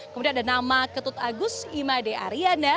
kemudian ada nama ketut agus imade ariana